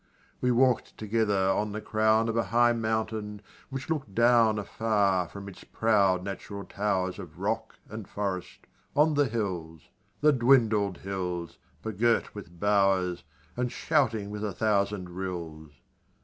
We walk'd together on the crown Of a high mountain which look'd down Afar from its proud natural towers Of rock and forest, on the hills The dwindled hills! begirt with bowers, And shouting with a thousand rills.